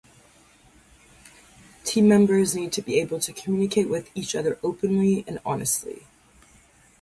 Team members need to be able to communicate with each other openly and honestly.